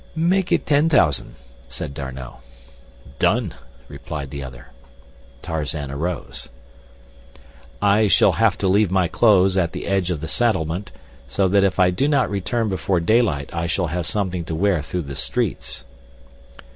"Make it ten thousand," said D'Arnot. "Done," replied the other. Tarzan arose. "I shall have to leave my clothes at the edge of the settlement, so that if I do not return before daylight I shall have something to wear through the streets."